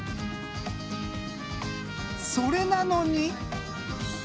それなのに。